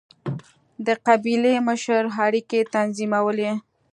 د قبیلې مشر اړیکې تنظیمولې.